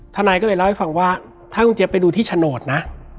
ทนายก็เลยเล่าให้ฟังว่าถ้าคุณเจี๊ยไปดูที่โฉนดนะ